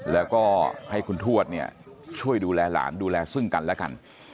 แล้วก็ให้คุณทวดเนี่ยช่วยดูแลหลานดูแลซึ่งกันและกัน